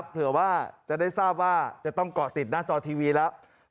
เผื่อว่าจะได้ทราบว่าจะต้องเกาะติดหน้าจอทีวีแล้ว